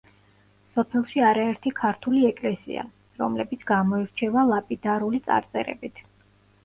სოფელში არაერთი ქართული ეკლესია, რომლებიც გამოირჩევა ლაპიდარული წარწერებით.